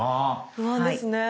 不安ですね。